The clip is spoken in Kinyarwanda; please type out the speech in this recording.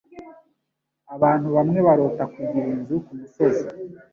Abantu bamwe barota kugira inzu kumusozi.